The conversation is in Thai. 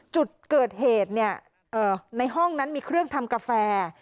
จุดเกิดเหตุในห้องนั้นมีเครื่องทำกาแฟ